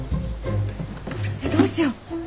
えどうしよう？